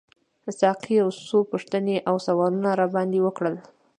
ساقي یو څو پوښتنې او سوالونه راباندي وکړل.